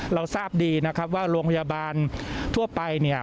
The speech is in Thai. เราทราบดีนะครับว่าลงพยาบาลทั่วไป